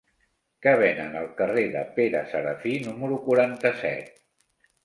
Què venen al carrer de Pere Serafí número quaranta-set?